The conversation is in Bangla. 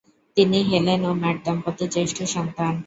তিনি হেলেন ও ম্যাট দম্পতির জ্যেষ্ঠ সন্তান।